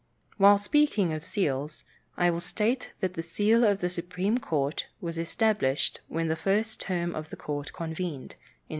While speaking of seals, I will state that the seal of the supreme court was established when the first term of the court convened, in 1858.